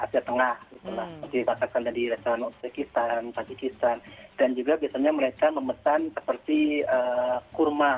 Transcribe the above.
gitu lah dibatalkan dari restoran oksikistan pakikistan dan juga biasanya mereka memesan seperti kurma